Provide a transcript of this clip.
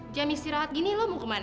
jam istirahat gini lo mau ke mana